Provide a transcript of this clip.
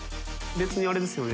別にあれですよね？